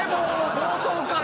冒頭から。